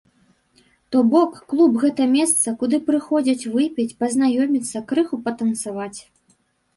То бок, клуб, гэта месца, куды прыходзяць выпіць, пазнаёміцца, крыху патанцаваць.